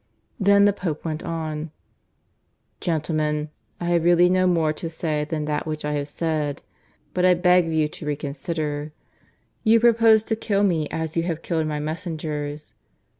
Then the Pope went on. "Gentlemen, I have really no more to say than that which I have said. But I beg of you to reconsider. You propose to kill me as you have killed my messengers.